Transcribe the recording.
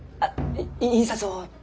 印刷を。